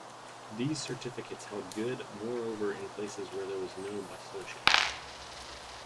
These certificats held good, moreover, in places where there was no Basoche.